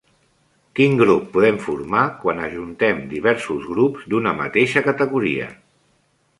Quin grup podem formar quan ajuntem diversos grups d'una mateixa categoria?